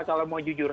kalau mau jujur